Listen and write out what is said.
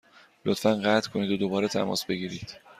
لطفا قطع کنید و دوباره تماس بگیرید.